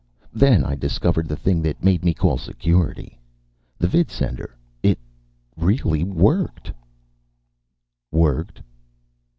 Then I discovered the thing that made me call Security. The vidsender it really worked." "Worked?"